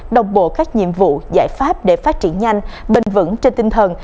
đồng bộ các nhiệm vụ giải pháp để phát triển nhanh bền vững trên tinh thần